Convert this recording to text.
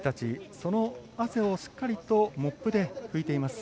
その汗をしっかりとモップでふいています。